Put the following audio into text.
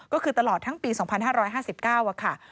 ก็คือตลอดทั้งปี๒๕๕๙ค่ะ